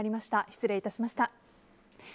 失礼致しました。